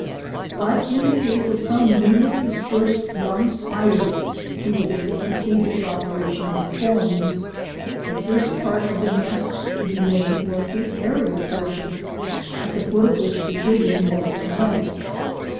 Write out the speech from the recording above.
But in the case of some newly dispersed young spiders he was able to see this operation performed. The first part of the nest to be made was the aërial portion, at the foot of which the digging was commenced.